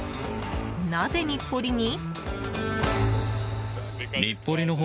なぜ日暮里に？